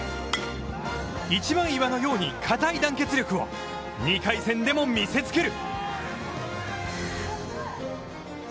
一枚岩のようにかたい団結力を２回戦でも見せつける！